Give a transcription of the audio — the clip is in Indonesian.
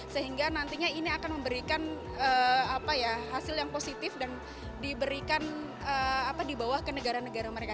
sehingga nantinya ini akan memberikan hasil yang positif dan diberikan di bawah ke negara negara mereka